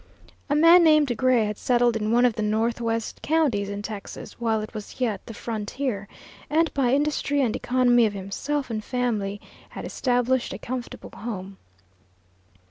A man named Gray had settled in one of the northwest counties in Texas while it was yet the frontier, and by industry and economy of himself and family had established a comfortable home.